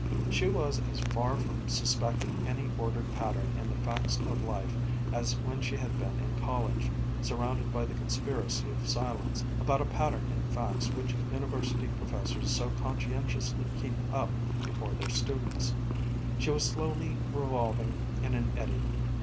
She was as far from suspecting any ordered pattern in the facts of life as when she had been in college, surrounded by the conspiracy of silence about a pattern in facts which university professors so conscientiously keep up before their students. She was slowly revolving in an eddy.